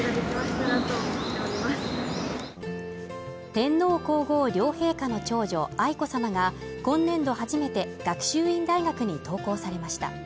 天皇皇后両陛下の長女愛子さまが今年度初めて学習院大学に登校されました。